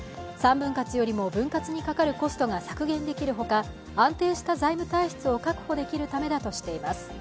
３分割よりも分割にかかるコストが削減できる他、安定した財務体質を確保できるためだとしています。